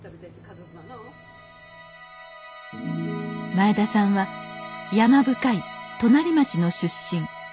前田さんは山深い隣町の出身。